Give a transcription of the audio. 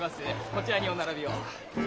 こちらにお並びを。